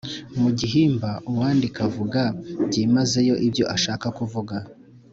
Mu gihimba uwandika avuga byimazeyo ibyo ashaka kuvuga